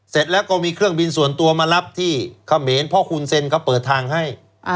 เสร็จแล้วก็มีเครื่องบินส่วนตัวมารับที่เขมรเพราะคุณเซ็นเขาเปิดทางให้